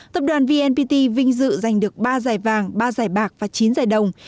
tập đoàn vnpt vinh dự giành được ba giải vàng ba giải bạc và chín giải đồng